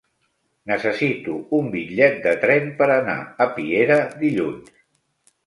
Necessito un bitllet de tren per anar a Piera dilluns.